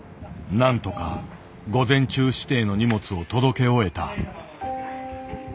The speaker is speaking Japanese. なんとか午前中指定の荷物を届け終えた。